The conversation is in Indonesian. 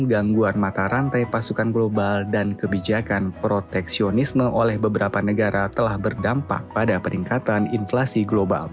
gangguan mata rantai pasukan global dan kebijakan proteksionisme oleh beberapa negara telah berdampak pada peningkatan inflasi global